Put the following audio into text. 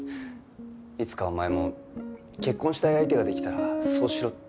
いつかお前も結婚したい相手ができたらそうしろ。